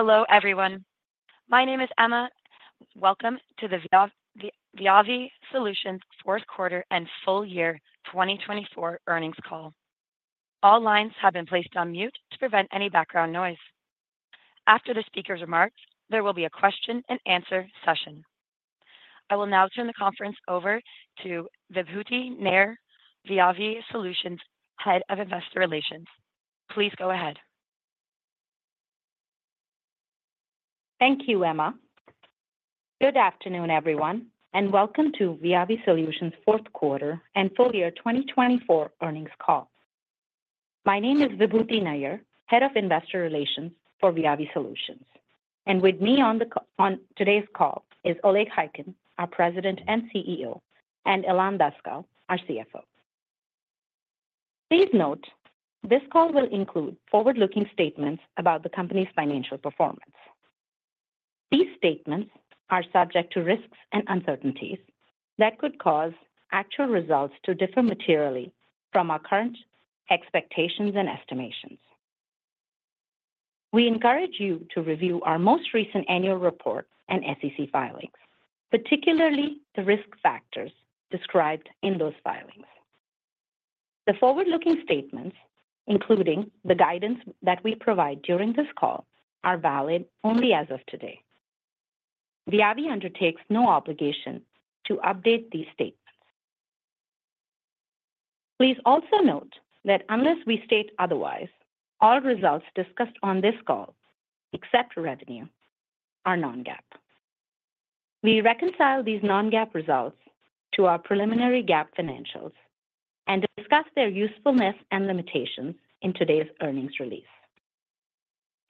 Hello everyone. My name is Emma. Welcome to the Viavi Solutions fourth quarter and full year 2024 earnings call. All lines have been placed on mute to prevent any background noise. After the speaker's remarks, there will be a question and answer session. I will now turn the conference over to Vibhuti Nayar, Viavi Solutions Head of Investor Relations. Please go ahead. Thank you, Emma. Good afternoon, everyone, and welcome to Viavi Solutions fourth quarter and full year 2024 earnings call. My name is Vibhuti Nayar, Head of Investor Relations for Viavi Solutions, and with me on today's call is Oleg Khaykin, our President and CEO, and Ilan Daskal, our CFO. Please note, this call will include forward-looking statements about the company's financial performance. These statements are subject to risks and uncertainties that could cause actual results to differ materially from our current expectations and estimations. We encourage you to review our most recent annual report and SEC filings, particularly the risk factors described in those filings. The forward-looking statements, including the guidance that we provide during this call, are valid only as of today. Viavi undertakes no obligation to update these statements. Please also note that unless we state otherwise, all results discussed on this call, except revenue, are non-GAAP. We reconcile these non-GAAP results to our preliminary GAAP financials and discuss their usefulness and limitations in today's earnings release.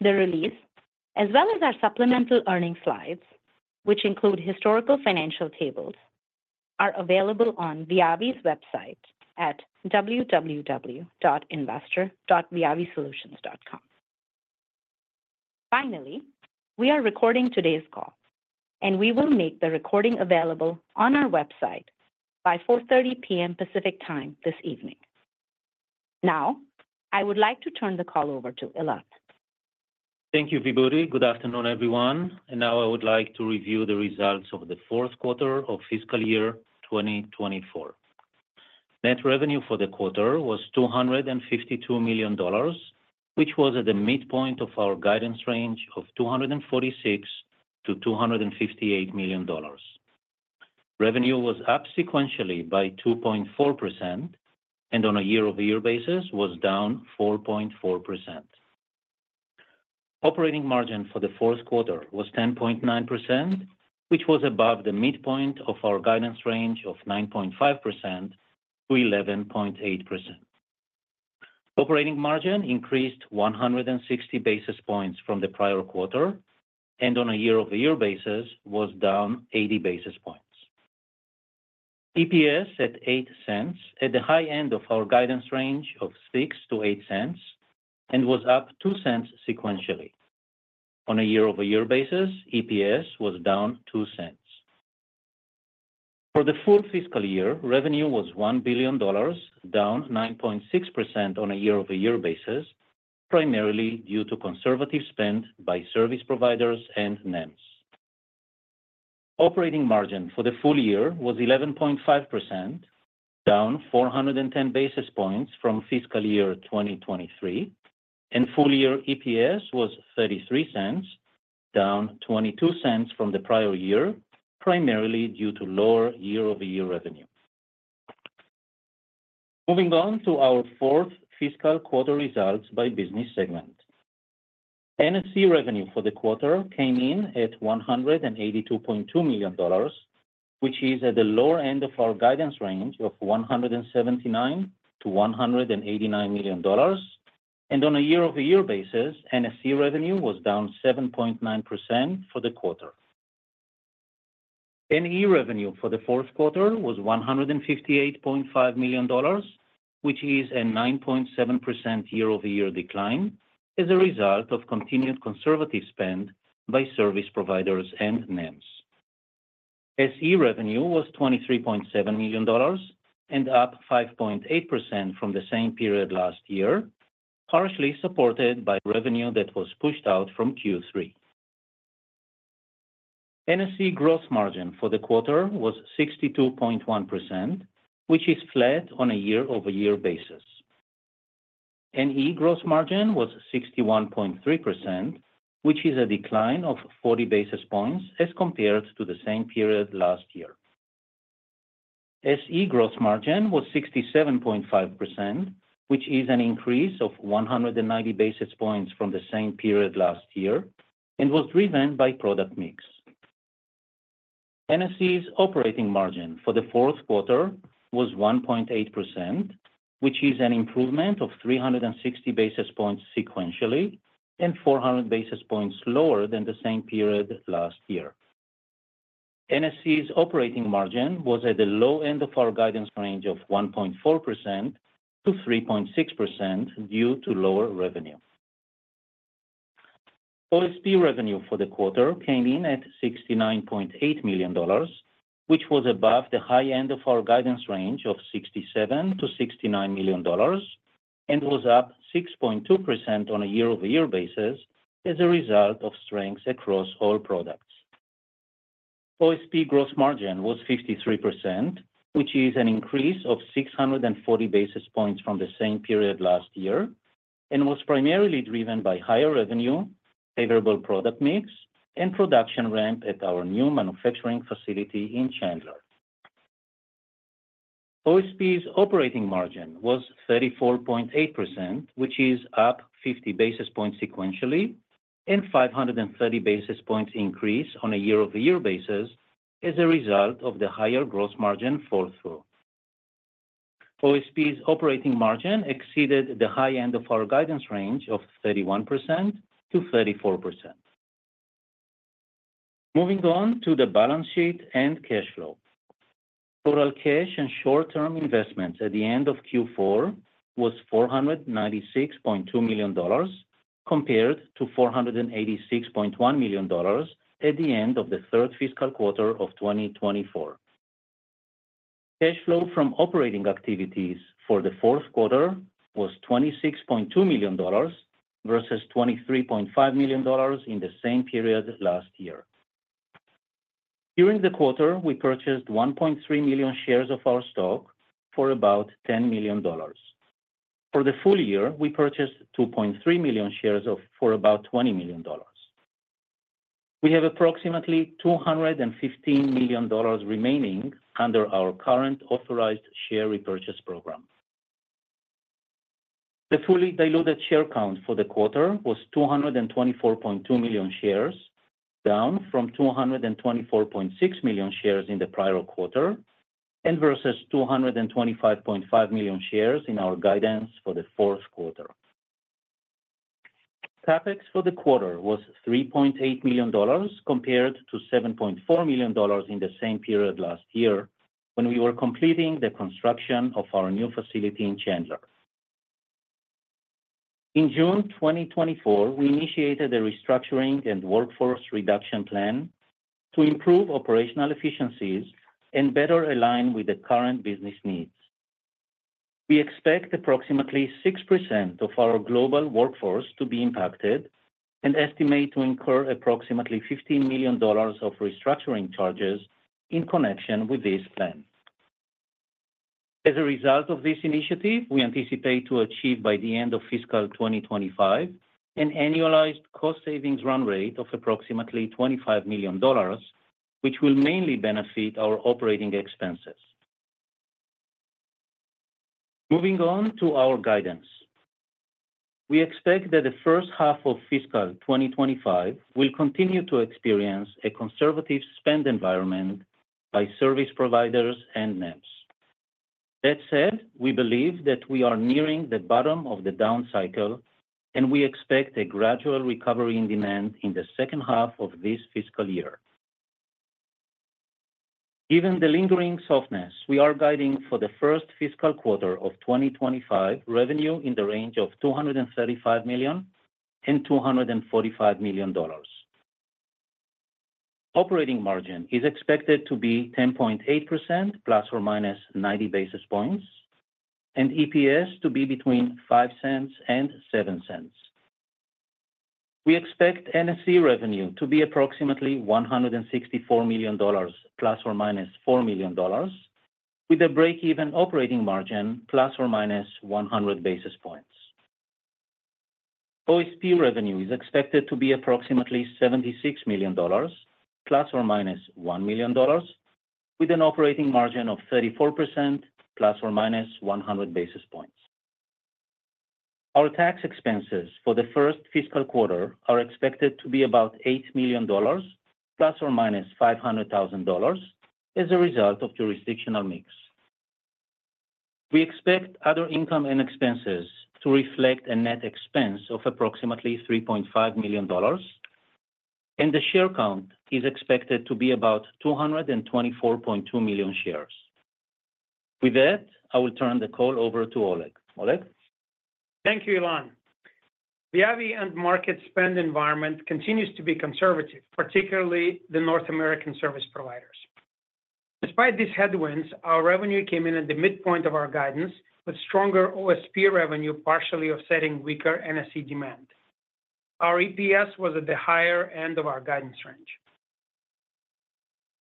The release, as well as our supplemental earnings slides, which include historical financial tables, are available on Viavi's website at www.investor.viavisolutions.com. Finally, we are recording today's call, and we will make the recording available on our website by 4:30 P.M. Pacific Time this evening. Now, I would like to turn the call over to Ilan. Thank you, Vibhuti. Good afternoon, everyone, and now I would like to review the results of the fourth quarter of fiscal year 2024. Net revenue for the quarter was $252 million, which was at the midpoint of our guidance range of $246 million-$258 million. Revenue was up sequentially by 2.4%, and on a year-over-year basis was down 4.4%. Operating margin for the fourth quarter was 10.9%, which was above the midpoint of our guidance range of 9.5%-11.8%. Operating margin increased 160 basis points from the prior quarter, and on a year-over-year basis was down 80 basis points. EPS at $0.08, at the high end of our guidance range of $0.06-$0.08, and was up $0.02 sequentially. On a year-over-year basis, EPS was down $0.02. For the full fiscal year, revenue was $1 billion, down 9.6% on a year-over-year basis, primarily due to conservative spend by service providers and NEMs. Operating margin for the full year was 11.5%, down 410 basis points from fiscal year 2023, and full year EPS was $0.33, down $0.22 from the prior year, primarily due to lower year-over-year revenue. Moving on to our fourth fiscal quarter results by business segment. NSE revenue for the quarter came in at $182.2 million, which is at the lower end of our guidance range of $179 million-$189 million. And on a year-over-year basis, NSE revenue was down 7.9% for the quarter. NE revenue for the fourth quarter was $158.5 million, which is a 9.7% year-over-year decline as a result of continued conservative spend by service providers and NEMs. SE revenue was $23.7 million and up 5.8% from the same period last year, partially supported by revenue that was pushed out from Q3. NSE gross margin for the quarter was 62.1%, which is flat on a year-over-year basis. NE gross margin was 61.3%, which is a decline of 40 basis points as compared to the same period last year. SE gross margin was 67.5%, which is an increase of 190 basis points from the same period last year and was driven by product mix. NSE's operating margin for the fourth quarter was 1.8%, which is an improvement of 360 basis points sequentially and 400 basis points lower than the same period last year. NSE's operating margin was at the low end of our guidance range of 1.4%-3.6% due to lower revenue. OSP revenue for the quarter came in at $69.8 million, which was above the high end of our guidance range of $67 million-$69 million. was up 6.2% on a year-over-year basis as a result of strengths across all products. OSP gross margin was 53%, which is an increase of 640 basis points from the same period last year, and was primarily driven by higher revenue, favorable product mix, and production ramp at our new manufacturing facility in Chandler. OSP's operating margin was 34.8%, which is up 50 basis points sequentially, and 530 basis points increase on a year-over-year basis as a result of the higher gross margin fall through. OSP's operating margin exceeded the high end of our guidance range of 31%-34%. Moving on to the balance sheet and cash flow. Total cash and short-term investments at the end of Q4 was $496.2 million, compared to $486.1 million at the end of the third fiscal quarter of 2024. Cash flow from operating activities for the fourth quarter was $26.2 million, versus $23.5 million in the same period last year. During the quarter, we purchased 1.3 million shares of our stock for about $10 million. For the full year, we purchased 2.3 million shares for about $20 million. We have approximately $215 million remaining under our current authorized share repurchase program. The fully diluted share count for the quarter was 224.2 million shares, down from 224.6 million shares in the prior quarter, and versus 225.5 million shares in our guidance for the fourth quarter. CapEx for the quarter was $3.8 million, compared to $7.4 million in the same period last year, when we were completing the construction of our new facility in Chandler. In June 2024, we initiated a restructuring and workforce reduction plan to improve operational efficiencies and better align with the current business needs. We expect approximately 6% of our global workforce to be impacted and estimate to incur approximately $15 million of restructuring charges in connection with this plan. As a result of this initiative, we anticipate to achieve, by the end of fiscal 2025, an annualized cost savings run rate of approximately $25 million, which will mainly benefit our operating expenses. Moving on to our guidance. We expect that the first half of fiscal 2025 will continue to experience a conservative spend environment by service providers and NEMs. That said, we believe that we are nearing the bottom of the down cycle, and we expect a gradual recovery in demand in the second half of this fiscal year. Given the lingering softness, we are guiding for the first fiscal quarter of 2025 revenue in the range of $235 million-$245 million. Operating margin is expected to be 10.8% ±90 basis points, and EPS to be between $0.05 and $0.07. We expect NSE revenue to be approximately $164 million ±$4 million, with a break-even operating margin ±100 basis points. OSP revenue is expected to be approximately $76 million ±$1 million, with an operating margin of 34% ±100 basis points. Our tax expenses for the first fiscal quarter are expected to be about $8 million ±$500,000 as a result of jurisdictional mix. We expect other income and expenses to reflect a net expense of approximately $3.5 million, and the share count is expected to be about 224.2 million shares. With that, I will turn the call over to Oleg. Oleg? Thank you, Ilan. The end market spend environment continues to be conservative, particularly the North American service providers. Despite these headwinds, our revenue came in at the midpoint of our guidance, with stronger OSP revenue partially offsetting weaker NSE demand. Our EPS was at the higher end of our guidance range.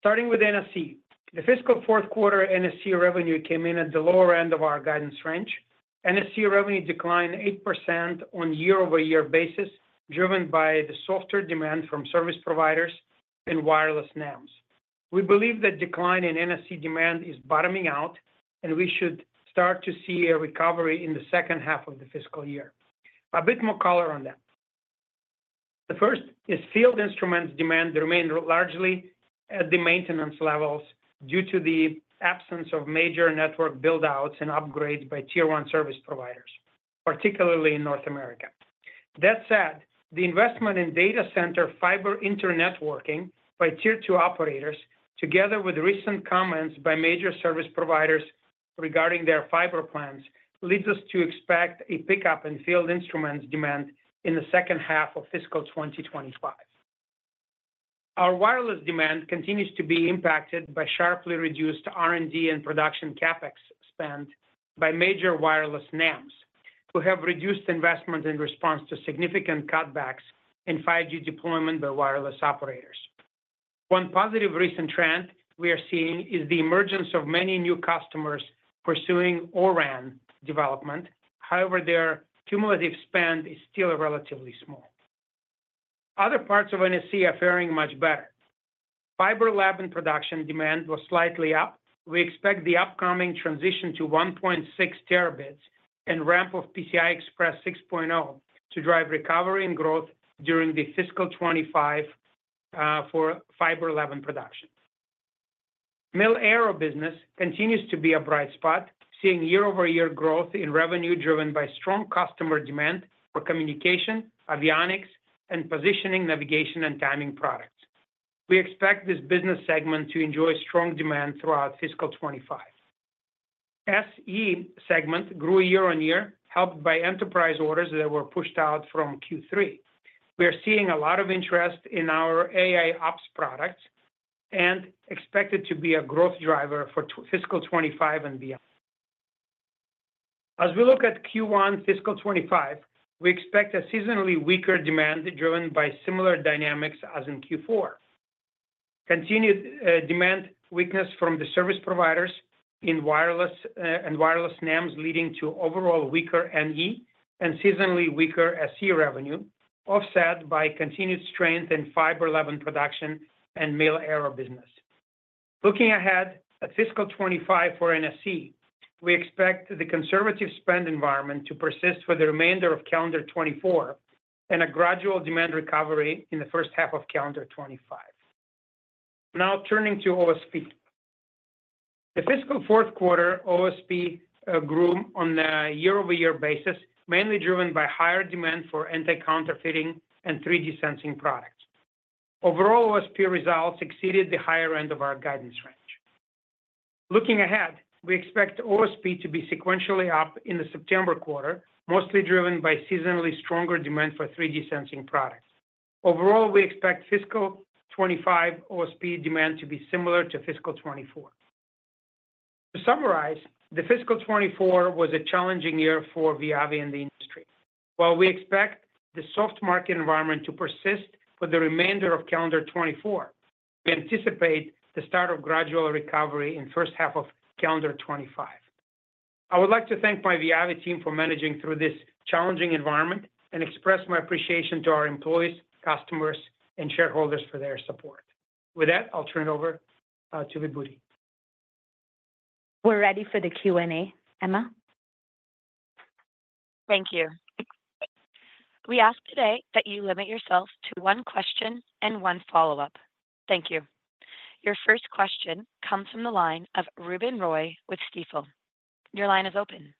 Starting with NSE, the fiscal fourth quarter NSE revenue came in at the lower end of our guidance range. NSE revenue declined 8% on year-over-year basis, driven by the softer demand from service providers and wireless NEMs. We believe that decline in NSE demand is bottoming out, and we should start to see a recovery in the second half of the fiscal year. A bit more color on that. The first is field instruments demand remained largely at the maintenance levels due to the absence of major network build-outs and upgrades by Tier 1 service providers, particularly in North America. That said, the investment in data center fiber internetworking by Tier 2 operators, together with recent comments by major service providers regarding their fiber plans, leads us to expect a pickup in field instruments demand in the second half of fiscal 2025. Our wireless demand continues to be impacted by sharply reduced R&D and production CapEx spend by major wireless NEMs, who have reduced investment in response to significant cutbacks in 5G deployment by wireless operators. One positive recent trend we are seeing is the emergence of many new customers pursuing O-RAN development. However, their cumulative spend is still relatively small. Other parts of NSE are faring much better. Fiber Lab and Production demand was slightly up. We expect the upcoming transition to 1.6 terabits and ramp of PCI Express 6.0 to drive recovery and growth during fiscal 2025 for Fiber Lab production. Mil-Aero business continues to be a bright spot, seeing year-over-year growth in revenue driven by strong customer demand for communication, avionics, and positioning, navigation, and timing products. We expect this business segment to enjoy strong demand throughout fiscal 2025. SE segment grew year-over-year, helped by enterprise orders that were pushed out from Q3. We are seeing a lot of interest in our AIOps products and expect it to be a growth driver for fiscal 2025 and beyond. As we look at Q1 fiscal 2025, we expect a seasonally weaker demand, driven by similar dynamics as in Q4. Continued demand weakness from the service providers in wireless and wireless NEMs, leading to overall weaker NE and seasonally weaker SE revenue, offset by continued strength in Fiber Lab production and Mil-Aero business. Looking ahead at fiscal 2025 for NSE, we expect the conservative spend environment to persist for the remainder of calendar 2024 and a gradual demand recovery in the first half of calendar 2025. Now turning to OSP. The fiscal fourth quarter OSP grew on a year-over-year basis, mainly driven by higher demand for anti-counterfeiting and 3D sensing products. Overall, OSP results exceeded the higher end of our guidance range. Looking ahead, we expect OSP to be sequentially up in the September quarter, mostly driven by seasonally stronger demand for 3D sensing products. Overall, we expect fiscal 2025 OSP demand to be similar to fiscal 2024. To summarize, the fiscal 2024 was a challenging year for Viavi and the industry. While we expect the soft market environment to persist for the remainder of calendar 2024, we anticipate the start of gradual recovery in first half of calendar 2025. I would like to thank my Viavi team for managing through this challenging environment and express my appreciation to our employees, customers, and shareholders for their support. With that, I'll turn it over to Vibhuti. We're ready for the Q&A. Emma? Thank you. We ask today that you limit yourself to one question and one follow-up. Thank you. Your first question comes from the line of Ruben Roy with Stifel. Your line is open.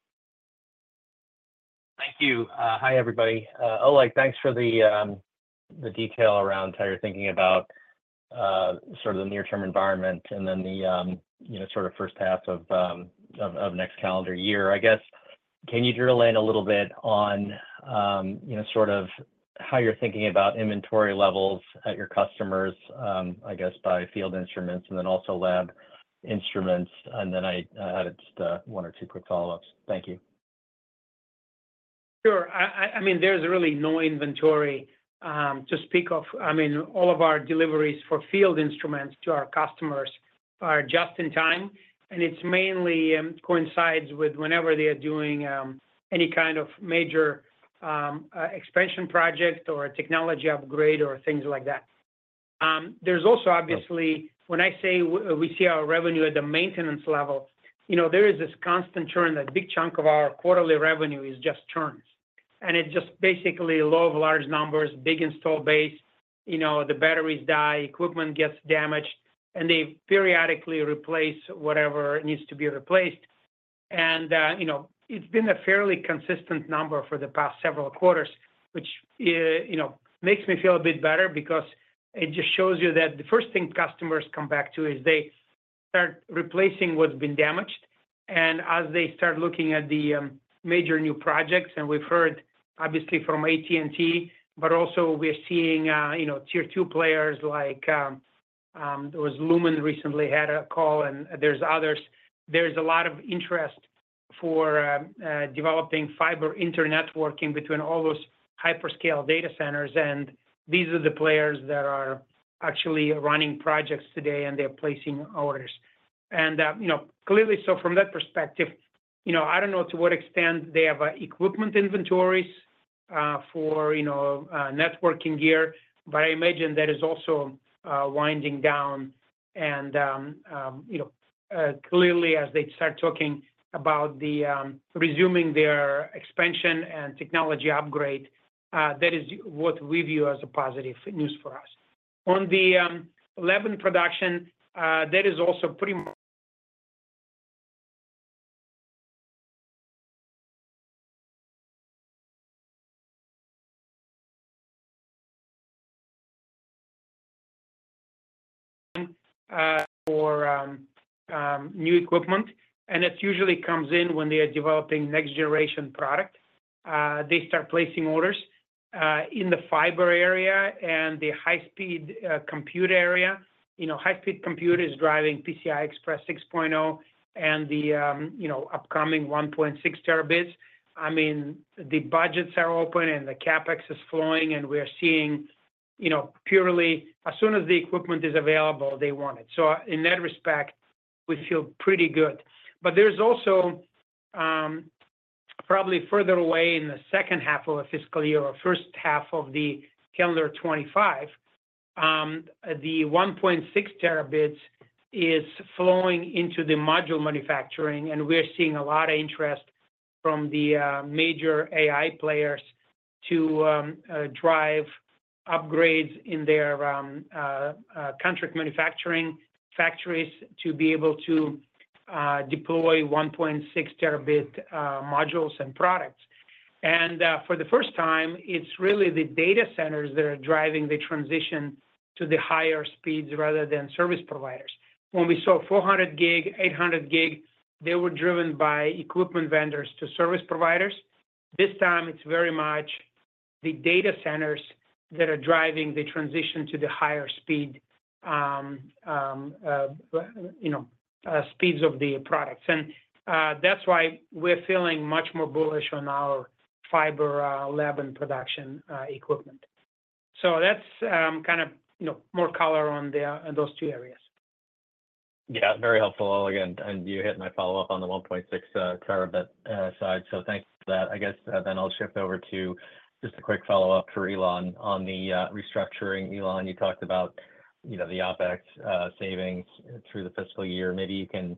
Thank you. Hi, everybody. Oleg, thanks for the detail around how you're thinking about sort of the near-term environment and then you know, sort of first half of next calendar year. I guess, can you drill in a little bit on you know, sort of how you're thinking about inventory levels at your customers, I guess by field instruments and then also lab instruments? And then I had just one or two quick follow-ups. Thank you. Sure. I mean, there's really no inventory to speak of. I mean, all of our deliveries for field instruments to our customers are just-in-time, and it's mainly coincides with whenever they are doing any kind of major expansion project or technology upgrade or things like that. There's also, obviously- Right When I say we see our revenue at the maintenance level, you know, there is this constant churn, that big chunk of our quarterly revenue is just churns. And it's just basically law of large numbers, big install base, you know, the batteries die, equipment gets damaged, and they periodically replace whatever needs to be replaced. And, you know, it's been a fairly consistent number for the past several quarters, which, you know, makes me feel a bit better because it just shows you that the first thing customers come back to is they start replacing what's been damaged. And as they start looking at the major new projects, and we've heard obviously from AT&T, but also we're seeing, you know, tier 2 players like, there was Lumen recently had a call and there's others. There's a lot of interest for developing fiber internetworking between all those hyperscale data centers, and these are the players that are actually running projects today, and they're placing orders. You know, clearly, so from that perspective, you know, I don't know to what extent they have equipment inventories for, you know, networking gear, but I imagine that is also winding down. You know, clearly as they start talking about the resuming their expansion and technology upgrade, that is what we view as a positive news for us. On the 800 production, that is also pretty much for new equipment, and it usually comes in when they are developing next generation product. They start placing orders in the fiber area and the high speed compute area. You know, high-speed compute is driving PCI Express 6.0 and the, you know, upcoming 1.6 terabits. I mean, the budgets are open and the CapEx is flowing, and we are seeing, you know, purely as soon as the equipment is available, they want it. So in that respect, we feel pretty good. But there's also, probably further away in the second half of the fiscal year or first half of the calendar 2025, the 1.6 terabits is flowing into the module manufacturing, and we are seeing a lot of interest from the, major AI players to, drive upgrades in their, contract manufacturing factories to be able to, deploy 1.6 terabit, modules and products. For the first time, it's really the data centers that are driving the transition to the higher speeds rather than service providers. When we saw 400 Gig, 800 Gig, they were driven by equipment vendors to service providers. This time, it's very much the data centers that are driving the transition to the higher speed, you know, speeds of the products. That's why we're feeling much more bullish on our Fiber Lab and Production equipment. So that's kind of, you know, more color on those two areas. Yeah, very helpful. Again, and you hit my follow-up on the 1.6 terabit side. So thanks for that. I guess then I'll shift over to just a quick follow-up for Ilan on the restructuring. Ilan, you talked about, you know, the OpEx savings through the fiscal year. Maybe you can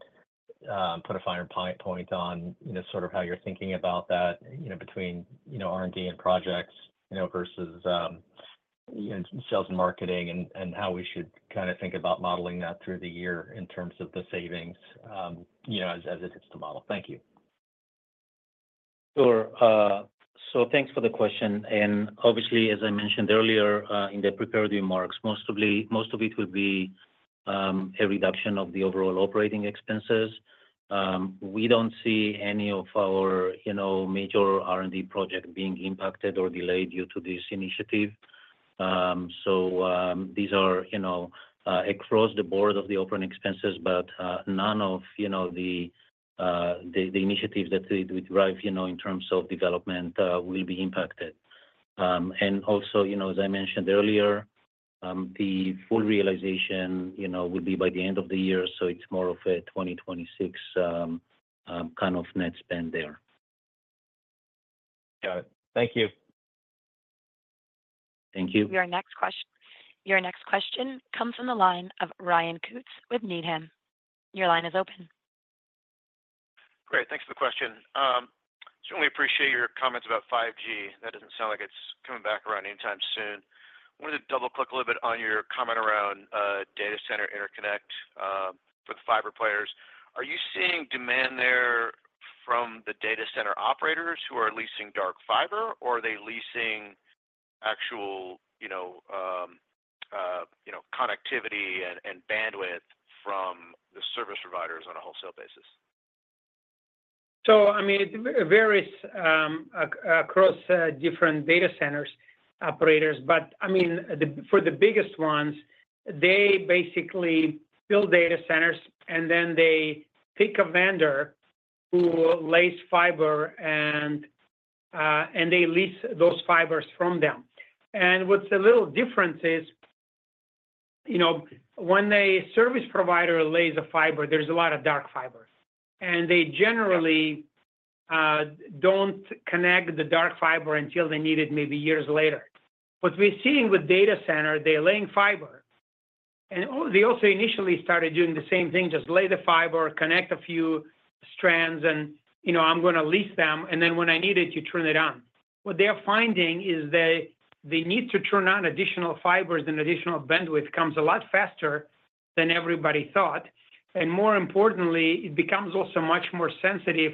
put a finer point on, you know, sort of how you're thinking about that, you know, between, you know, R&D and projects, you know, versus, you know, sales and marketing, and how we should kinda think about modeling that through the year in terms of the savings, you know, as it hits the model. Thank you. Sure. So thanks for the question, and obviously, as I mentioned earlier, in the prepared remarks, most of it would be a reduction of the overall operating expenses. We don't see any of our, you know, major R&D project being impacted or delayed due to this initiative. So these are, you know, across the board of the operating expenses, but none of, you know, the initiatives that we drive, you know, in terms of development, will be impacted. And also, you know, as I mentioned earlier, the full realization, you know, will be by the end of the year, so it's more of a 2026 kind of net spend there. Got it. Thank you. Thank you. Your next question comes from the line of Ryan Koontz with Needham. Your line is open. Great, thanks for the question. Certainly appreciate your comments about 5G. That doesn't sound like it's coming back around anytime soon. Wanted to double-click a little bit on your comment around data center interconnect with fiber players. Are you seeing demand there from the data center operators who are leasing dark fiber, or are they leasing actual, you know, connectivity and bandwidth from the service providers on a wholesale basis? So, I mean, it varies across different data centers, operators. But I mean, for the biggest ones, they basically build data centers, and then they pick a vendor who lays fiber and they lease those fibers from them. And what's a little different is, you know, when a service provider lays a fiber, there's a lot of dark fibers, and they generally don't connect the dark fiber until they need it, maybe years later. What we're seeing with data center, they're laying fiber, and they also initially started doing the same thing, just lay the fiber, connect a few strands, and, you know, I'm gonna lease them, and then when I need it, you turn it on. What they are finding is that the need to turn on additional fibers and additional bandwidth comes a lot faster than everybody thought, and more importantly, it becomes also much more sensitive,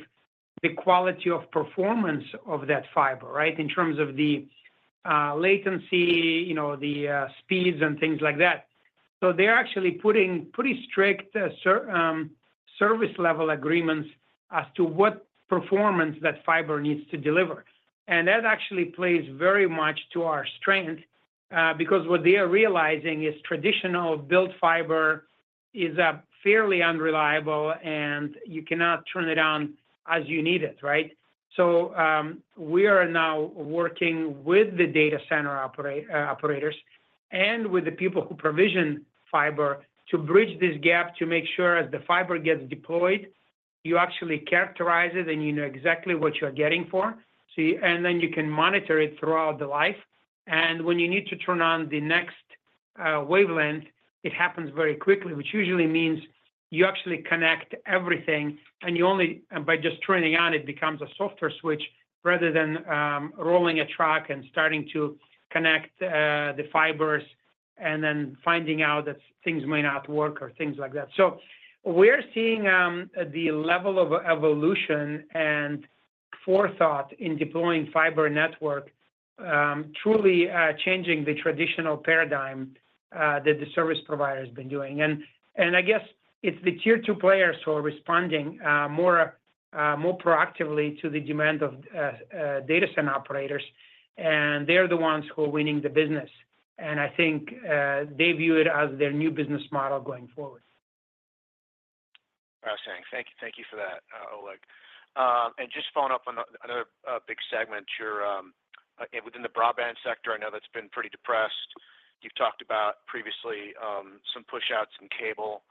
the quality of performance of that fiber, right? In terms of the latency, you know, the speeds and things like that. So they're actually putting pretty strict service level agreements as to what performance that fiber needs to deliver. And that actually plays very much to our strength, because what they are realizing is traditional built fiber is fairly unreliable, and you cannot turn it on as you need it, right? So, we are now working with the data center operators and with the people who provision fiber to bridge this gap to make sure as the fiber gets deployed, you actually characterize it, and you know exactly what you're getting for. See, and then you can monitor it throughout the life, and when you need to turn on the next wavelength, it happens very quickly, which usually means you actually connect everything, and by just turning on, it becomes a software switch, rather than rolling a truck and starting to connect the fibers and then finding out that things may not work or things like that. So we're seeing the level of evolution and forethought in deploying fiber network truly changing the traditional paradigm that the service provider has been doing. I guess it's the Tier 2 players who are responding more proactively to the demand of data center operators, and they're the ones who are winning the business. And I think they view it as their new business model going forward. Interesting. Thank you. Thank you for that, Oleg. And just following up on another big segment, your within the broadband sector, I know that's been pretty depressed. You've talked about previously some push-outs in cable.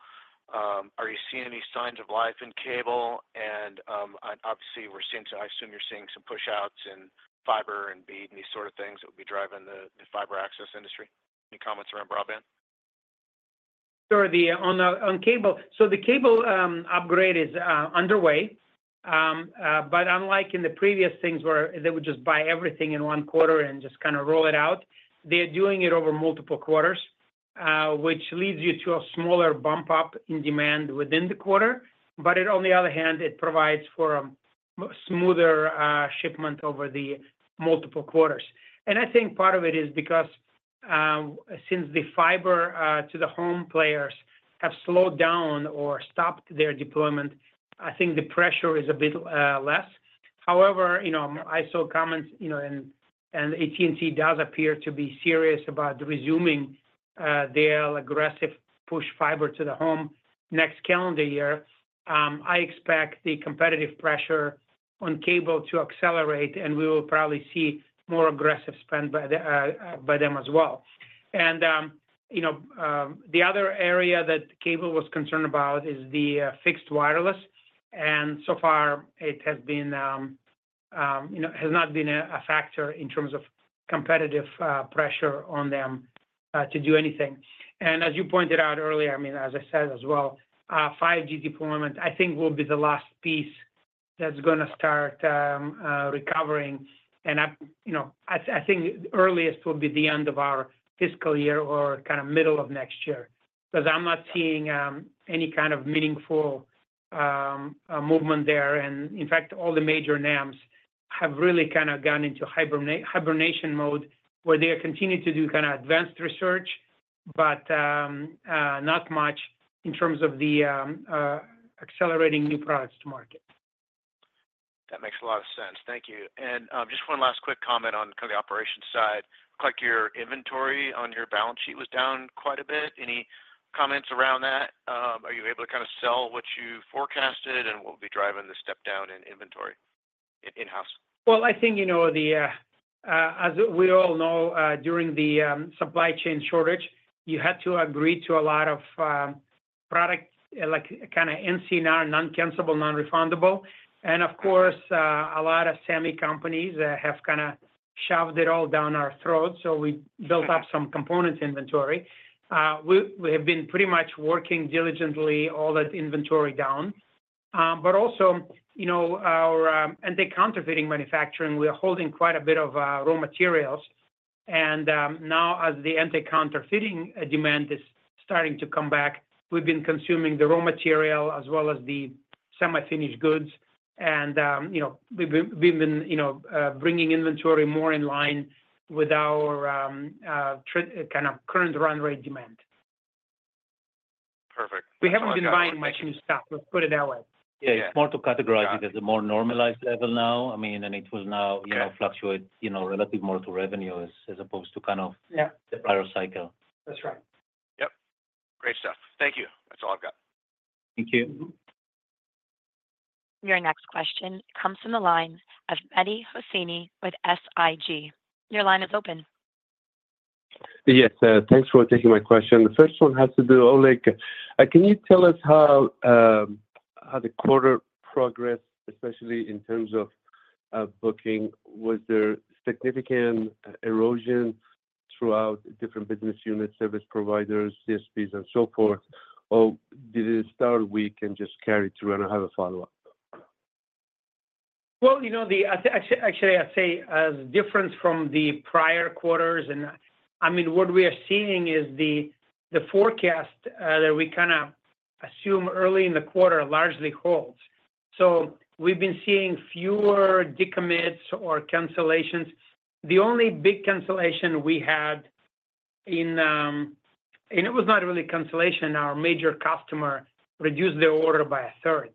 Are you seeing any signs of life in cable? And obviously, we're seeing—I assume you're seeing some push-outs in fiber and BE and these sort of things that will be driving the fiber access industry. Any comments around broadband? Sure, the on, on cable. So the cable upgrade is underway. But unlike in the previous things where they would just buy everything in one quarter and just kind of roll it out, they're doing it over multiple quarters, which leads you to a smaller bump up in demand within the quarter, but it, on the other hand, it provides for a smoother shipment over the multiple quarters. And I think part of it is because, since the Fiber-to-the-Home players have slowed down or stopped their deployment, I think the pressure is a bit less. However, you know, I saw comments, you know, and, and AT&T does appear to be serious about resuming their aggressive push Fiber-to-the-Home next calendar year. I expect the competitive pressure on cable to accelerate, and we will probably see more aggressive spend by them as well. You know, the other area that cable was concerned about is the fixed wireless, and so far, it has not been a factor in terms of competitive pressure on them to do anything. As you pointed out earlier, I mean, as I said as well, 5G deployment, I think, will be the last piece that's gonna start recovering. You know, I think earliest will be the end of our fiscal year or kinda middle of next year, because I'm not seeing any kind of meaningful movement there. In fact, all the major NEMs have really kind of gone into hibernation mode, where they are continuing to do kind of advanced research, but not much in terms of the accelerating new products to market. That makes a lot of sense. Thank you. And, just one last quick comment on the operation side. Looks like your inventory on your balance sheet was down quite a bit. Any comments around that? Are you able to kind of sell what you forecasted, and what will be driving the step down in inventory in-house? Well, I think, you know, the, as we all know, during the supply chain shortage, you had to agree to a lot of product, like, kinda NCNR, non-cancellable, non-refundable. And of course, a lot of semi companies have kinda shoved it all down our throats, so we built up some components inventory. We have been pretty much working diligently all that inventory down. But also, you know, our anti-counterfeiting manufacturing, we are holding quite a bit of raw materials. And, now as the anti-counterfeiting demand is starting to come back, we've been consuming the raw material as well as the semi-finished goods. And, you know, we've been, you know, bringing inventory more in line with our kind of current run rate demand. Perfect. We haven't been buying much new stuff, let's put it that way. Yeah. Yeah, it's more to categorize it- Got it As a more normalized level now. I mean, and it will now- Okay Fluctuate, you know, relative more to revenues as opposed to kind of- Yeah Prior cycle. That's right. Yep. Great stuff. Thank you. That's all I've got. Thank you. Your next question comes from the line of Mehdi Hosseini with SIG. Your line is open. Yes, thanks for taking my question. The first one has to do, Oleg, can you tell us how, how the quarter progressed, especially in terms of, booking? Was there significant erosion throughout different business units, service providers, CSPs, and so forth? Or did it start weak and just carry through? And I have a follow-up. Well, you know, actually, I'd say as different from the prior quarters, and I mean, what we are seeing is the forecast that we kinda assume early in the quarter largely holds. So we've been seeing fewer decommits or cancellations. The only big cancellation we had in... And it was not really a cancellation, our major customer reduced their order by a third.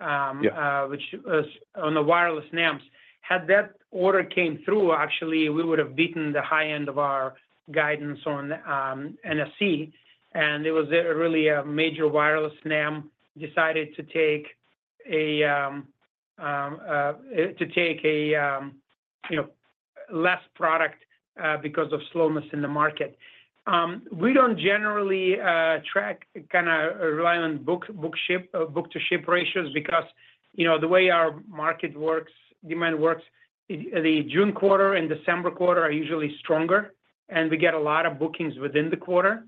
Yeah. Which was on the wireless NEMs. Had that order came through, actually, we would have beaten the high end of our guidance on NSE, and it was really a major wireless NEM decided to take less product, you know, because of slowness in the market. We don't generally kinda rely on book-to-ship ratios because, you know, the way our market works, demand works, the June quarter and December quarter are usually stronger, and we get a lot of bookings within the quarter.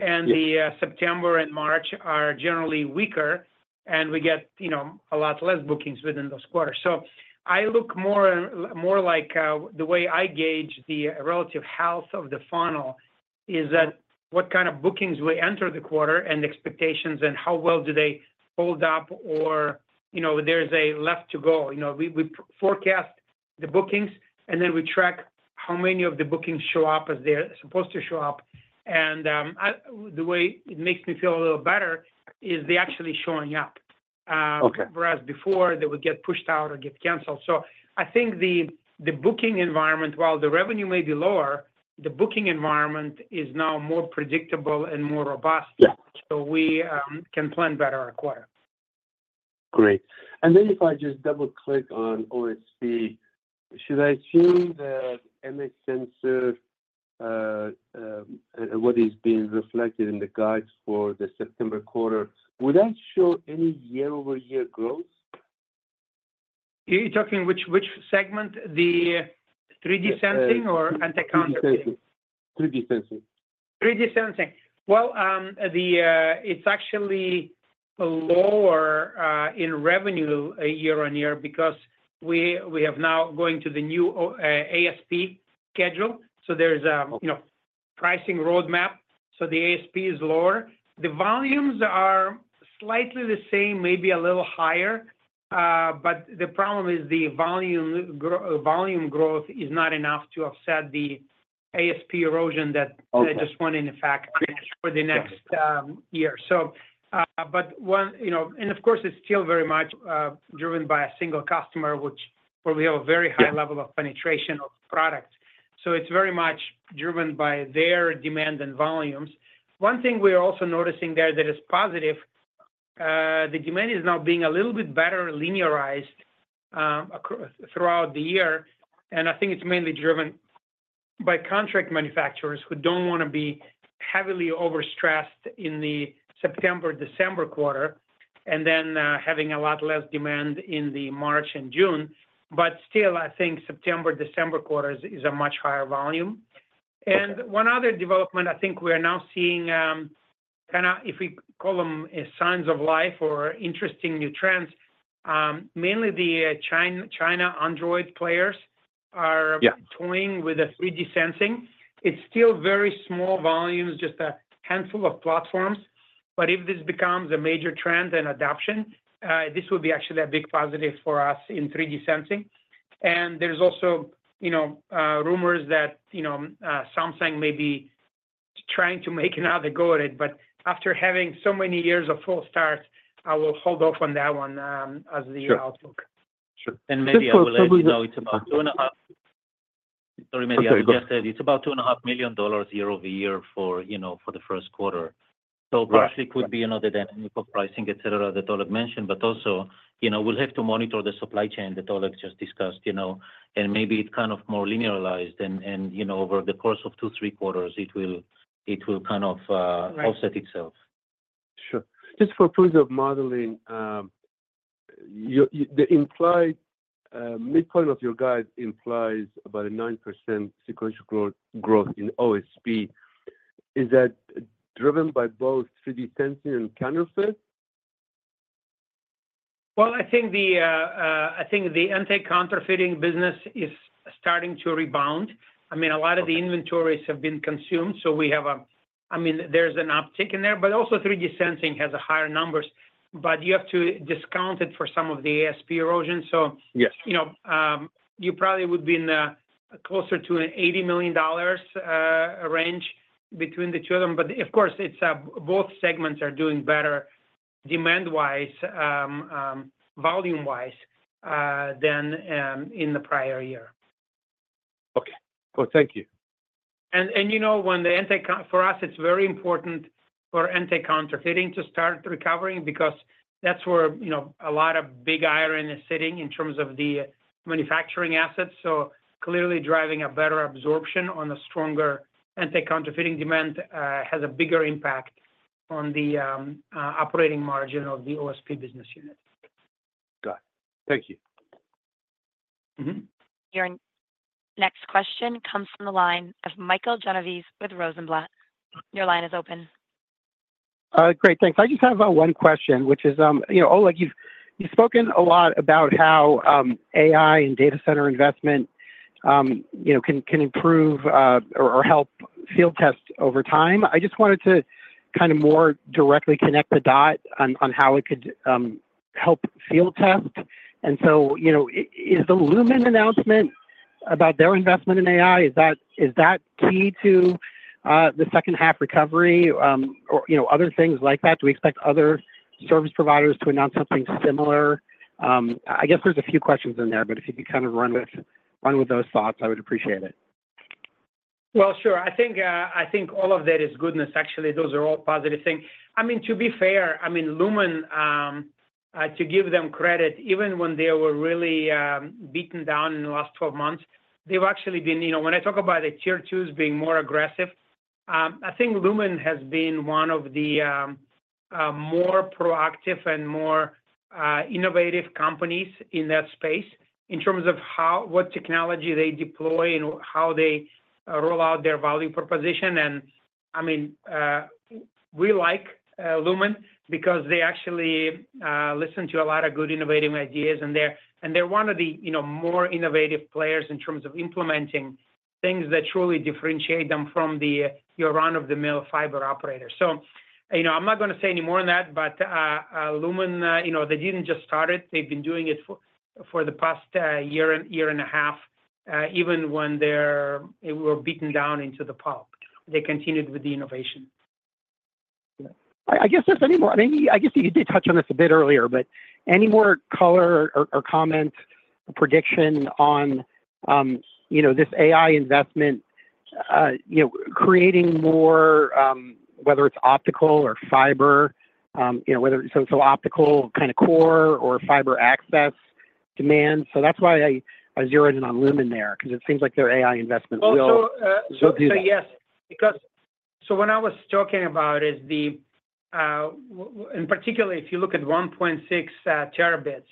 Yeah. And the September and March are generally weaker, and we get, you know, a lot less bookings within those quarters. So I look more and more like the way I gauge the relative health of the funnel is that what kind of bookings we enter the quarter and expectations and how well do they hold up or, you know, there's a left to go. You know, we forecast the bookings, and then we track how many of the bookings show up as they're supposed to show up. And the way it makes me feel a little better is they're actually showing up. Okay. Whereas before, they would get pushed out or get canceled. So I think the booking environment, while the revenue may be lower, the booking environment is now more predictable and more robust- Yeah. So we can plan better our quarter. Great. And then if I just double-click on OSP, should I assume that image sensor, what is being reflected in the guides for the September quarter, would that show any year-over-year growth? You're talking which segment? The 3D sensing or anti-counterfeiting? 3D sensing. 3D sensing. 3D sensing. Well, it's actually lower in revenue year-on-year because we have now going to the new ASP schedule. So there's a, you know, pricing roadmap, so the ASP is lower. The volumes are slightly the same, maybe a little higher, but the problem is the volume growth is not enough to offset the ASP erosion that- Okay just went in effect for the next year. So, but one, you know... And of course, it's still very much driven by a single customer, which where we have a very high level- Yeah of penetration of product. So it's very much driven by their demand and volumes. One thing we're also noticing there that is positive, the demand is now being a little bit better linearized across the year, and I think it's mainly driven by contract manufacturers who don't wanna be heavily overstressed in the September-December quarter, and then having a lot less demand in the March and June. But still, I think September-December quarter is a much higher volume. Okay. One other development, I think we are now seeing kinda if we call them signs of life or interesting new trends, mainly the China, China Android players are- Yeah - toying with the 3D sensing. It's still very small volumes, just a handful of platforms, but if this becomes a major trend and adoption, this would be actually a big positive for us in 3D sensing. And there's also, you know, rumors that, you know, Samsung may be trying to make another go at it, but after having so many years of false start, I will hold off on that one, as the outlook. Sure. Maybe I will let you know, it's about 2.5... Sorry, maybe I just said it's about $2.5 million year-over-year for, you know, for the first quarter. Right. So partially, it could be another dynamic of pricing, et cetera, that Oleg mentioned, but also, you know, we'll have to monitor the supply chain that Oleg just discussed, you know, and maybe it kind of more linearized, and, you know, over the course of two, three quarters, it will, it will kind of offset itself. Sure. Just for proof of modeling, you, the implied, midpoint of your guide implies about a 9% sequential growth in OSP. Is that driven by both 3D sensing and counterfeiting? Well, I think the anti-counterfeiting business is starting to rebound. I mean, a lot of the inventories have been consumed, so we have a-- I mean, there's an uptick in there, but also 3D sensing has higher numbers, but you have to discount it for some of the ASP erosion. So- Yes You know, you probably would be in the closer to an $80 million range between the two of them. But of course, it's both segments are doing better, demand-wise, volume-wise, than in the prior year. Okay. Well, thank you. And you know, when the anti-counterfeiting—for us, it's very important for anti-counterfeiting to start recovering because that's where, you know, a lot of big iron is sitting in terms of the manufacturing assets. So clearly, driving a better absorption on a stronger anti-counterfeiting demand has a bigger impact on the operating margin of the OSP business unit. Got it. Thank you. Mm-hmm. Your next question comes from the line of Michael Genovese with Rosenblatt. Your line is open. Great, thanks. I just have one question, which is, you know, Oleg, you've spoken a lot about how AI and data center investment, you know, can improve or help field test over time. I just wanted to kind of more directly connect the dot on how it could help field test. So, you know, is the Lumen announcement about their investment in AI, is that key to the second half recovery, or other things like that? Do we expect other service providers to announce something similar? I guess there's a few questions in there, but if you could kind of run with those thoughts, I would appreciate it. Well, sure. I think, I think all of that is goodness. Actually, those are all positive things. I mean, to be fair, I mean, Lumen, to give them credit, even when they were really, beaten down in the last 12 months, they've actually been... You know, when I talk about the Tier 2s being more aggressive, I think Lumen has been one of the, more proactive and more, innovative companies in that space in terms of how what technology they deploy and how they roll out their value proposition. And I mean, we like, Lumen because they actually, listen to a lot of good, innovative ideas, and they're, and they're one of the, you know, more innovative players in terms of implementing, things that truly differentiate them from the, your run-of-the-mill fiber operator. So, you know, I'm not going to say any more on that, but Lumen, you know, they didn't just start it. They've been doing it for the past year and a half, even when they were beaten down into the pulp. They continued with the innovation. I guess there's any more. I mean, I guess you did touch on this a bit earlier, but any more color or, or comment, prediction on, you know, this AI investment, you know, creating more, whether it's optical or fiber, you know, whether so, so optical kind of core or fiber access demand. So that's why I, I zeroed in on Lumen there, because it seems like their AI investment will- So, uh, -do that. So yes, because what I was talking about is the WAN, and particularly, if you look at 1.6 terabits,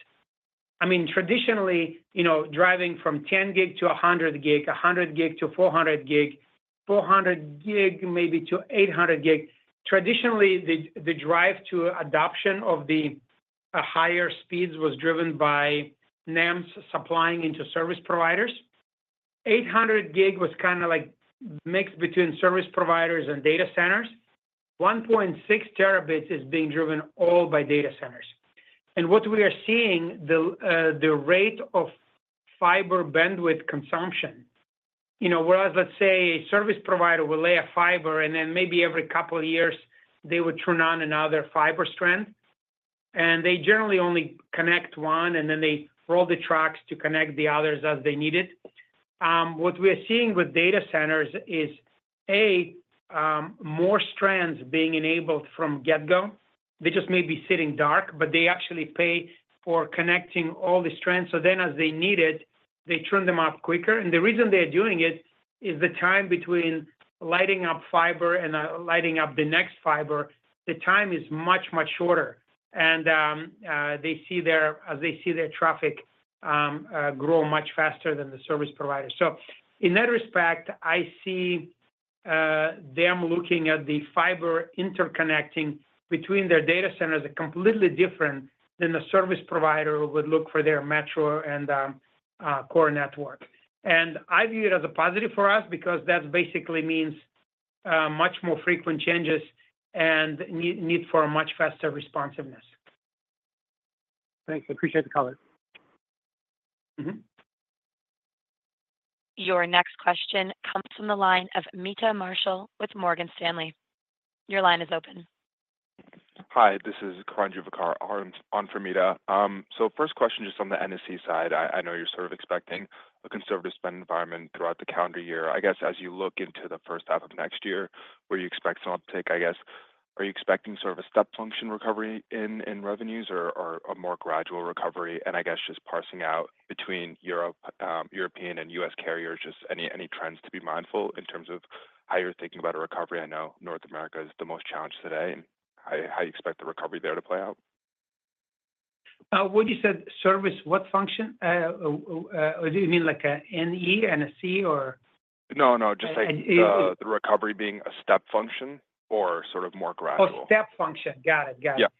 I mean, traditionally, you know, driving from 10 Gig to 100 Gig, 100 Gig to 400 Gig, 400 Gig, maybe to 800 Gig. Traditionally, the drive to adoption of the higher speeds was driven by NEMs supplying into service providers. 800 Gig was kind of like mixed between service providers and data centers. 1.6 terabits is being driven all by data centers. What we are seeing is the rate of fiber bandwidth consumption, you know, whereas let's say a service provider will lay a fiber and then maybe every couple of years they would turn on another fiber strand, and they generally only connect one, and then they roll the trucks to connect the others as they need it. What we are seeing with data centers is more strands being enabled from get-go. They just may be sitting dark, but they actually pay for connecting all the strands. So then as they need it, they turn them off quicker. And the reason they are doing it is the time between lighting up fiber and lighting up the next fiber, the time is much, much shorter. And they see their traffic grow much faster than the service provider. So in that respect, I see them looking at the fiber interconnecting between their data centers are completely different than the service provider would look for their metro and core network. And I view it as a positive for us because that basically means much more frequent changes and need for a much faster responsiveness. Thanks. I appreciate the color. Mm-hmm. Your next question comes from the line of Meta Marshall with Morgan Stanley. Your line is open. Hi, this is Karan Juvekar on for Meta. So first question, just on the NSE side, I know you're sort of expecting a conservative spend environment throughout the calendar year. I guess as you look into the first half of next year, where you expect some uptick, I guess. Are you expecting sort of a step function recovery in revenues or a more gradual recovery? And I guess just parsing out between Europe, European and U.S. carriers, just any trends to be mindful in terms of how you're thinking about a recovery. I know North America is the most challenged today, and how you expect the recovery there to play out? When you said service, what function? Do you mean like a NE, NSE or? No, no, just like- Uh, uh- The recovery being a step function or sort of more gradual. Oh, step function. Got it. Got it.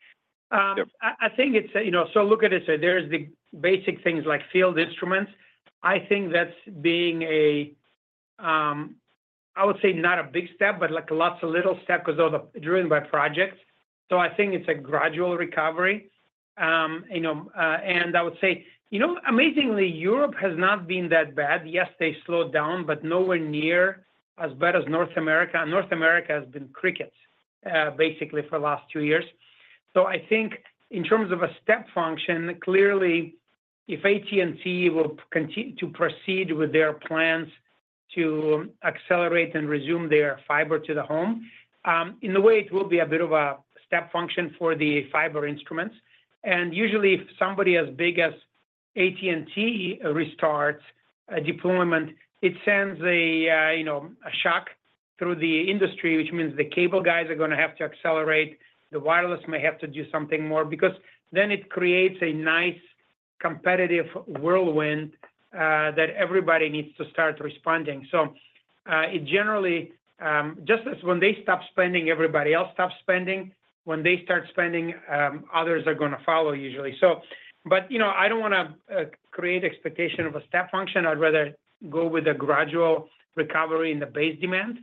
Yeah. Yep. I think it's, you know, so look at it, so there's the basic things like field instruments. I think that's being a, I would say, not a big step, but like lots of little steps, 'cause those are driven by projects. So I think it's a gradual recovery. You know, and I would say, you know, amazingly, Europe has not been that bad. Yes, they slowed down, but nowhere near as bad as North America, and North America has been crickets, basically for the last two years. So I think in terms of a step function, clearly, if AT&T will continue to proceed with their plans to accelerate and resume their Fiber-to-the-Home, in a way, it will be a bit of a step function for the fiber instruments. And usually, if somebody as big as AT&T restarts a deployment, it sends a, you know, a shock through the industry, which means the cable guys are gonna have to accelerate, the wireless may have to do something more, because then it creates a nice competitive whirlwind, that everybody needs to start responding. So, it generally, just as when they stop spending, everybody else stops spending, when they start spending, others are gonna follow usually. So, but, you know, I don't wanna, create expectation of a step function. I'd rather go with a gradual recovery in the base demand.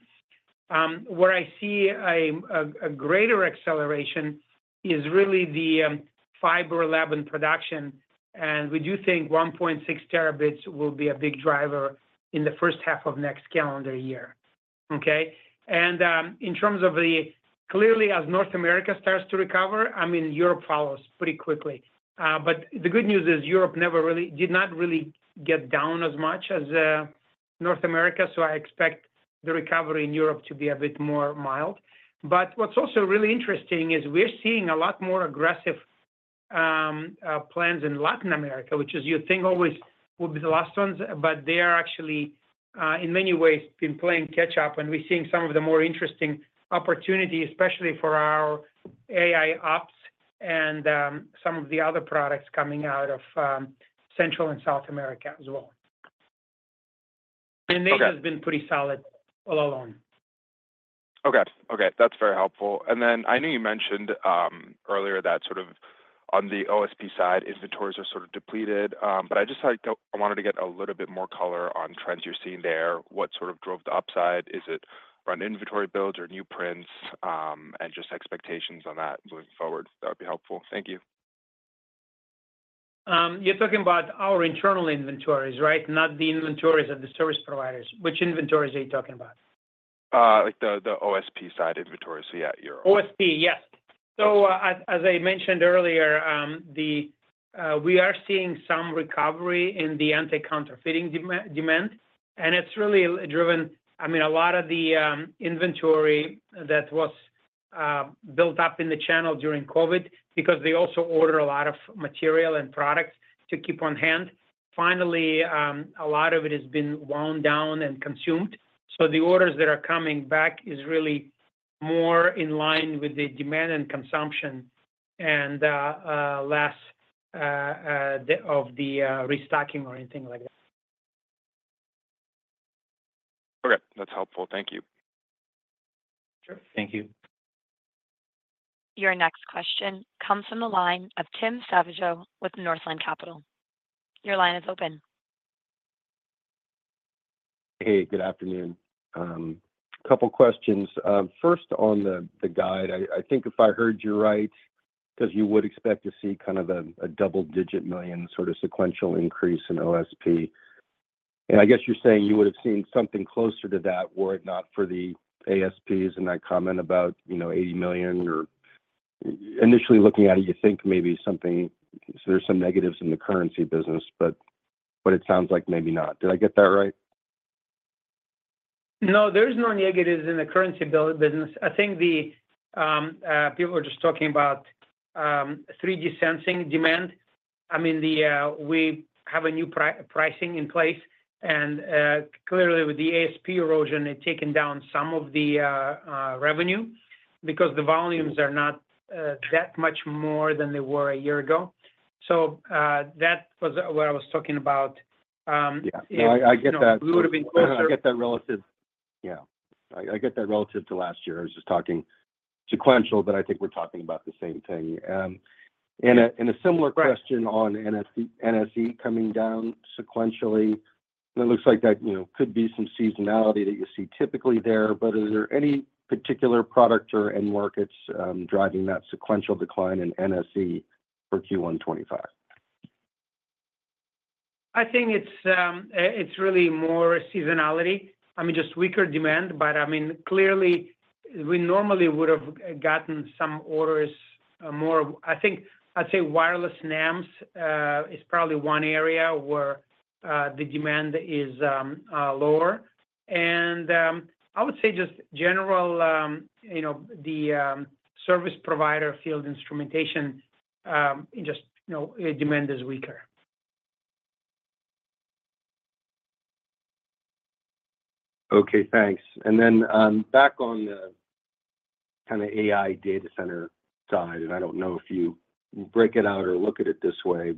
Where I see a greater acceleration is really the Fiber Lab and Production, and we do think 1.6 terabits will be a big driver in the first half of next calendar year, okay? In terms of the clearly, as North America starts to recover, I mean, Europe follows pretty quickly. But the good news is Europe did not really get down as much as North America, so I expect the recovery in Europe to be a bit more mild. But what's also really interesting is we're seeing a lot more aggressive plans in Latin America, which is, you think, always will be the last ones, but they are actually in many ways been playing catch up, and we're seeing some of the more interesting opportunities, especially for our AIOps and some of the other products coming out of Central and South America as well. Okay. Asia has been pretty solid all along. Okay, okay, that's very helpful. And then I know you mentioned, earlier that sort of on the OSP side, inventories are sort of depleted. But I just like, I wanted to get a little bit more color on trends you're seeing there. What sort of drove the upside? Is it around inventory builds or new prints? And just expectations on that moving forward, that would be helpful. Thank you. You're talking about our internal inventories, right? Not the inventories of the service providers. Which inventories are you talking about? Like the OSP side inventories, so yeah, your own. OSP, yes. So, as I mentioned earlier, we are seeing some recovery in the anti-counterfeiting demand, and it's really driven—I mean, a lot of the inventory that was built up in the channel during COVID, because they also order a lot of material and products to keep on hand. Finally, a lot of it has been wound down and consumed, so the orders that are coming back is really more in line with the demand and consumption, and the restocking or anything like that. Okay. That's helpful. Thank you. Sure. Thank you. Your next question comes from the line of Tim Savageaux with Northland Capital. Your line is open. Hey, good afternoon. Couple questions. First, on the guide, I think if I heard you right, 'cause you would expect to see kind of a double-digit million sort of sequential increase in OSP. And I guess you're saying you would have seen something closer to that were it not for the ASPs and that comment about, you know, $80 million or... Initially looking at it, you think maybe something—so there's some negatives in the currency business, but it sounds like maybe not. Did I get that right? No, there's no negatives in the current business. I think the people were just talking about 3D sensing demand. I mean, we have a new pricing in place and clearly with the ASP erosion, it's taken down some of the revenue because the volumes are not that much more than they were a year ago. So, that was what I was talking about, yeah. Yeah. No, I get that- It would have been closer. I get that relative... Yeah, I get that relative to last year. I was just talking sequential, but I think we're talking about the same thing. And a similar- Right Question on NSE, NSE coming down sequentially, and it looks like that, you know, could be some seasonality that you see typically there, but is there any particular product or end markets driving that sequential decline in NSE for Q1 2025? I think it's really more seasonality. I mean, just weaker demand, but I mean, clearly, we normally would have gotten some orders. I think I'd say wireless NEMs is probably one area where the demand is lower. And I would say just general, you know, the service provider field instrumentation, just, you know, demand is weaker. Okay, thanks. And then, back on the kind of AI data center side, and I don't know if you break it out or look at it this way,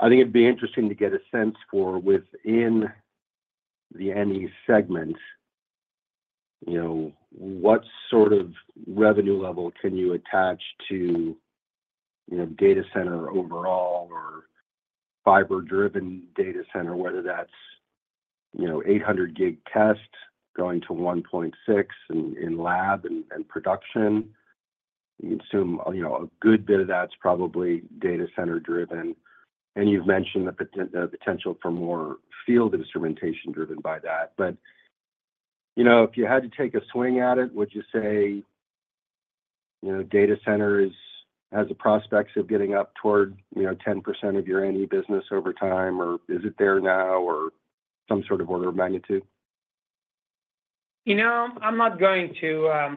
but I think it'd be interesting to get a sense for within the NE segment, you know, what sort of revenue level can you attach to, you know, data center overall or fiber-driven data center, whether that's, you know, 800 Gig tests going to 1.6T in lab and production. You'd assume, you know, a good bit of that's probably data center driven, and you've mentioned the potential for more field instrumentation driven by that. But, you know, if you had to take a swing at it, would you say, you know, data center has the prospects of getting up toward, you know, 10% of your NE business over time, or is it there now, or some sort of order of magnitude? You know, I'm not going to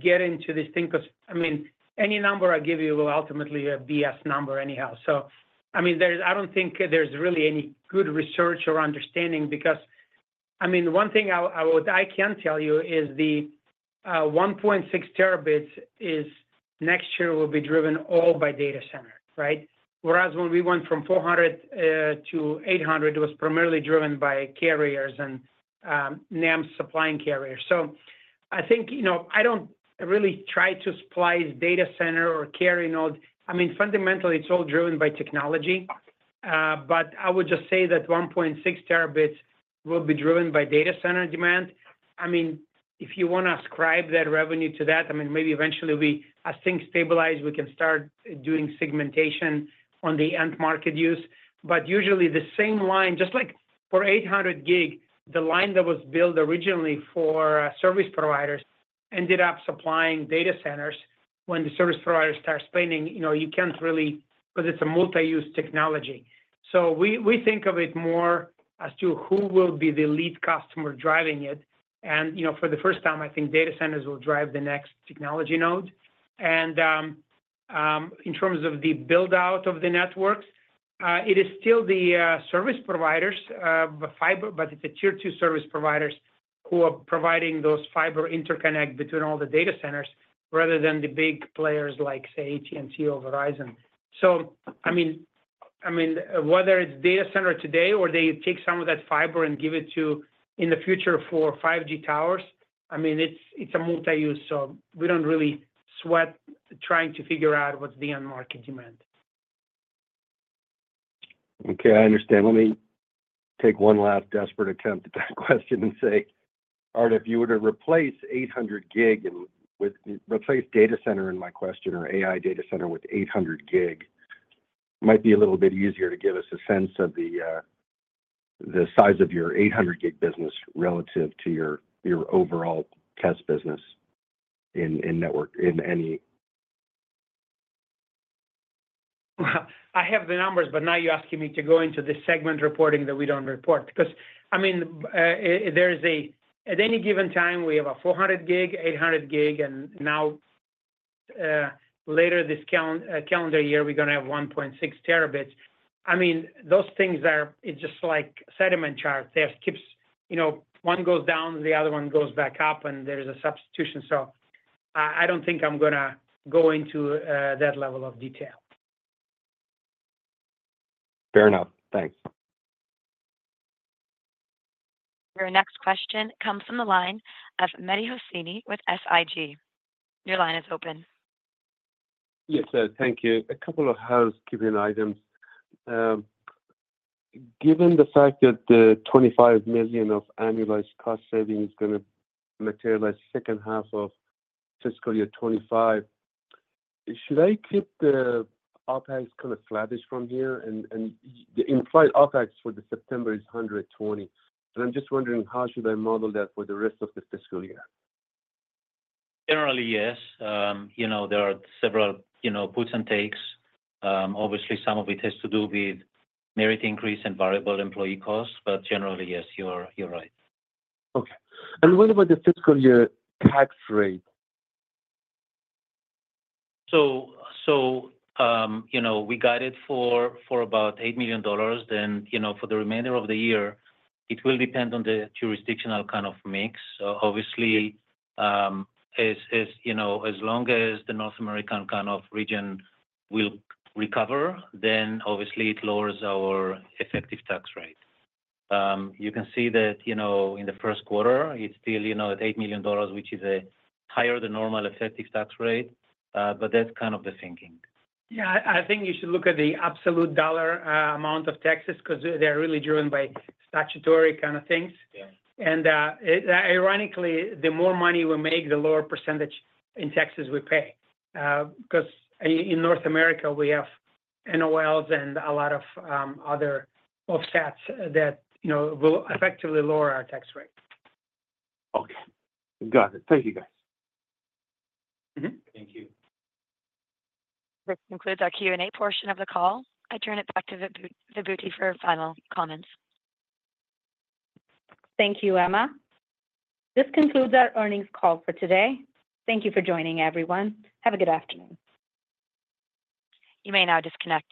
get into this thing 'cause, I mean, any number I give you will ultimately a BS number anyhow. So, I mean, there's-- I don't think there's really any good research or understanding because, I mean, one thing I, I would-- I can tell you is the 1.6 terabits is next year will be driven all by data center, right? Whereas when we went from 400 to 800, it was primarily driven by carriers and NEMs supplying carriers. So I think, you know, I don't really try to supply data center or carrier node. I mean, fundamentally, it's all driven by technology. But I would just say that 1.6 terabits will be driven by data center demand. I mean, if you want to ascribe that revenue to that, I mean, maybe eventually we, as things stabilize, we can start doing segmentation on the end market use. But usually the same line, just like for 800 Gig, the line that was built originally for service providers ended up supplying data centers. When the service providers start spending, you know, you can't really... Because it's a multi-use technology. So we, we think of it more as to who will be the lead customer driving it. And, you know, for the first time, I think data centers will drive the next technology node. In terms of the build-out of the networks, it is still the service providers fiber, but it's the Tier 2 service providers who are providing those fiber interconnect between all the data centers, rather than the big players like, say, AT&T or Verizon. So, I mean, whether it's data center today or they take some of that fiber and give it to, in the future for 5G towers, I mean, it's a multi-use, so we don't really sweat trying to figure out what's the end market demand. Okay, I understand. Let me take one last desperate attempt at that question and say, Art, if you were to replace 800 Gig and with—replace data center in my question or AI data center with 800 Gig, might be a little bit easier to give us a sense of the, the size of your 800 Gig business relative to your, your overall test business in, in network, in any? I have the numbers, but now you're asking me to go into the segment reporting that we don't report. Because, I mean, there's a-- at any given time, we have a 400 Gig, 800 Gig, and now, later this calendar year, we're gonna have 1.6 terabits. I mean, those things are, it's just like segment charts. They keep, you know, one goes down, the other one goes back up, and there's a substitution. So I, I don't think I'm gonna go into, that level of detail. Fair enough. Thanks. Your next question comes from the line of Mehdi Hosseini with SIG. Your line is open. Yes, sir. Thank you. A couple of housekeeping items. Given the fact that the $25 million of annualized cost saving is gonna materialize second half of fiscal year 2025, should I keep the OpEx kinda flattish from here? And the implied OpEx for the September is $120 million. But I'm just wondering, how should I model that for the rest of the fiscal year? Generally, yes. You know, there are several, you know, puts and takes. Obviously, some of it has to do with merit increase and variable employee costs, but generally, yes, you're right. Okay. And what about the fiscal year tax rate? So, you know, we got it for about $8 million, then, you know, for the remainder of the year, it will depend on the jurisdictional kind of mix. So obviously, as you know, as long as the North American kind of region will recover, then obviously it lowers our effective tax rate. You can see that, you know, in the first quarter, it's still, you know, at $8 million, which is a higher than normal effective tax rate, but that's kind of the thinking. Yeah, I think you should look at the absolute dollar amount of taxes, 'cause they're really driven by statutory kind of things. Yeah. And, ironically, the more money we make, the lower percentage in taxes we pay. 'Cause in North America, we have NOLs and a lot of other offsets that, you know, will effectively lower our tax rate. Okay. Got it. Thank you, guys. Mm-hmm. Thank you. This concludes our Q&A portion of the call. I turn it back to Vibhuti for final comments. Thank you, Emma. This concludes our earnings call for today. Thank you for joining, everyone. Have a good afternoon. You may now disconnect your-